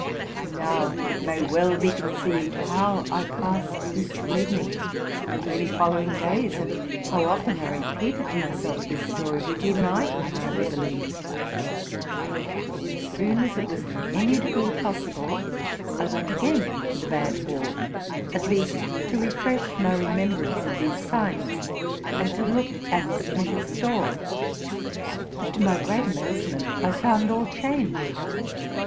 Now, it may well be conceived how I passed this evening, and many following days, and how often I repeated to my self this story, which even I could hardly believe. As soon as it was in any degree possible, I went again to the Bad Wall, at least to refresh my remembrance of these signs, and to look at the precious door. But, to my great amaze ment, I found all changed.